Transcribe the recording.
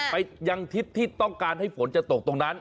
ไปที่ยังต้องการให้ฝนจะตกตรงนั้น